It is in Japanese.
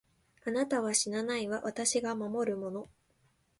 あなたは死なないわ、私が守るもの。